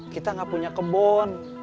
kita gak punya kebon